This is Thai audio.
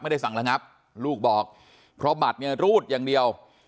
สั่งระงับลูกบอกเพราะบัตรเนี่ยรูดอย่างเดียว